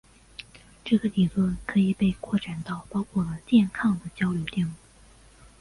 这个理论可以被扩展到包括了电抗的交流电路。